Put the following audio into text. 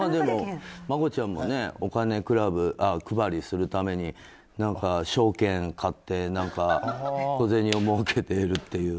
マコちゃんもお金配りするために証券を買って小銭をもうけているっていう。